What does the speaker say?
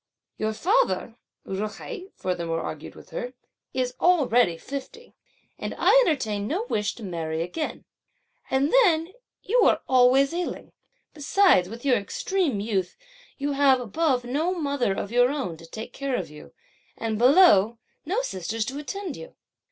"Your father," Ju hai furthermore argued with her, "is already fifty; and I entertain no wish to marry again; and then you are always ailing; besides, with your extreme youth, you have, above, no mother of your own to take care of you, and below, no sisters to attend to you.